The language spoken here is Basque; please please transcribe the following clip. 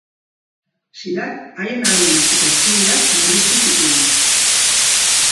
Silak haien ahalmenak eta eskubideak murriztu zituen.